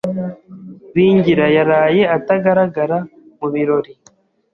Bingira yaraye atagaragara mu birori.